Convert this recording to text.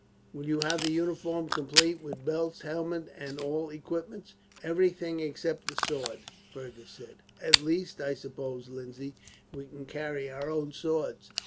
"Will you have the uniform complete, with belts, helmet, and all equipments?" "Everything except the sword," Fergus said. "At least I suppose, Lindsay, we can carry our own swords."